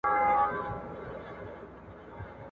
له یوه کلي تر بل به ساعتونه ..